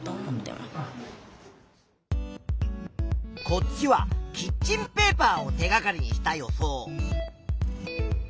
こっちはキッチンペーパーを手がかりにした予想。